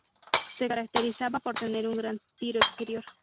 Se caracterizaba por tener un gran tiro exterior.